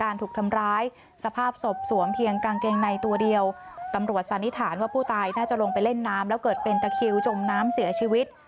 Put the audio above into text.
ถูกทำร้ายสภาพศพสวมเพียงกางเกงในตัวเดียวตำรวจสันนิษฐานว่าผู้ตายน่าจะลงไปเล่นน้ำแล้วเกิดเป็นตะคิวจมน้ำเสียชีวิต